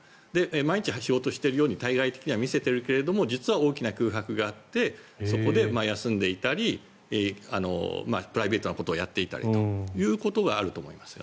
毎日仕事しているように対外的には見せているけど実は大きな空白があってそこで休んでいたりプライベートなことをやっていたりということがあると思います。